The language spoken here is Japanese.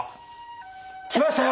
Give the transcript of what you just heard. ・来ましたよ！